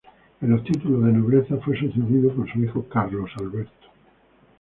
En los títulos de nobleza fue sucedido por su hijo Carlos Alberto.